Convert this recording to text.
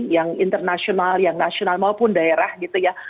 yang internasional yang nasional maupun daerah gitu ya